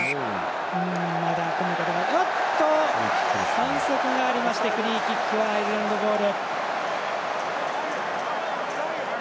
反則がありましてフリーキックはアイルランドボール。